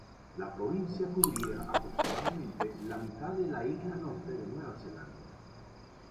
La provincia cubría aproximadamente la mitad de la isla Norte de Nueva Zelanda.